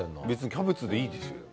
キャベツでいいでしょう。